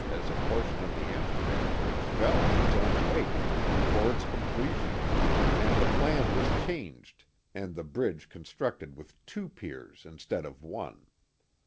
as a portion of the Amsterdam Bridge fell of its own weight before its complelion. and thi; phn was changed and the bridge con structed with two piers instead of one.